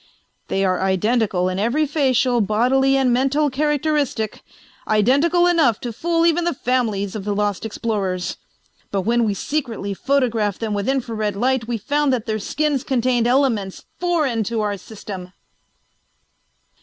They are identical in every facial, bodily, and mental characteristic, identical enough to fool even the families of the lost explorers. But when we secretly photographed them with infra red light we found that their skins contained elements foreign to our system!"